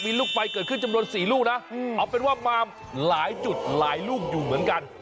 มีลูกไฟเกิดขึ้นจำนวน๔ลูกนะเอาเป็นว่ามาหลายจุดหลายลูกอยู่เหมือนกัน